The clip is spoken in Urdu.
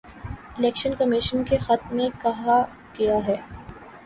الیکشن کمیشن کے خط میں کہا گیا ہے